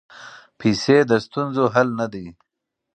پیسې د ستونزو حل نه دی.